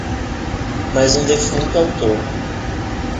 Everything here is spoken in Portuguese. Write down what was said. mas um defunto autor